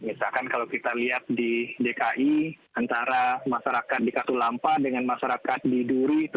misalkan kalau kita lihat di dki antara masyarakat di katulampa dengan masyarakat di duri itu